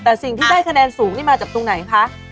แต่สิ่งที่ได้คะแนนสูงนี่มาจากตรงไหนคะ